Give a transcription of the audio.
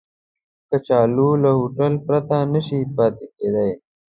کچالو له هوټل پرته نشي پاتې کېدای